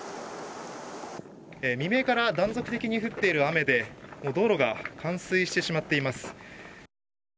未明から断続的に降っている雨で道路が冠水してしまっています。